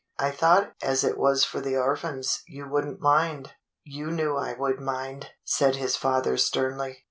"I thought as it was for the orphans you would n't mind." "You knew I would mind," said his father sternly.